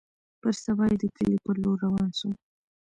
پر سبا يې د کلي په لور روان سوم.